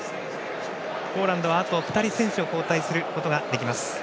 ポーランドはあと２人、選手を交代できます。